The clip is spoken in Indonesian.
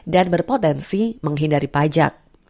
dan berpotensi menghindari pajak